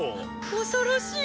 恐ろしい！